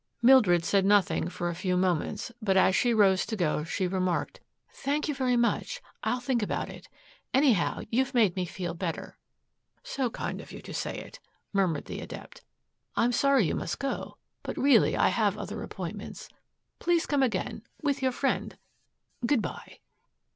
Mildred said nothing for a few moments, but as she rose to go she remarked, "Thank you very much. I'll think about it. Anyhow, you've made me feel better." "So kind of you to say it," murmured the Adept. "I'm sorry you must go, but really I have other appointments. Please come again with your friend. Good bye."